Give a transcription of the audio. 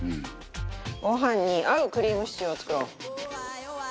ご飯に合うクリームシチューを作ろう。